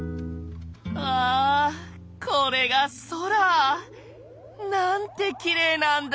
ああこれが空。なんてきれいなんだ！